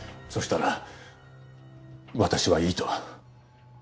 そしたら私はいいと。